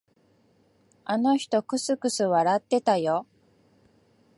あの人、くすくす笑ってたよ。